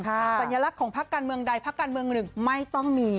สัญลักษณ์ของพักการเมืองใดพักการเมืองหนึ่งไม่ต้องมี